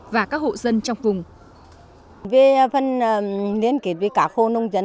và các hộ dân trong vùng